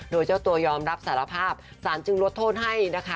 โดยเจ้าตัวยอมรับสารภาพสารจึงลดโทษให้นะคะ